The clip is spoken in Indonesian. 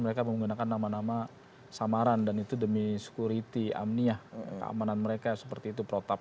mereka menggunakan nama nama samaran dan itu demi security amniah keamanan mereka seperti itu protap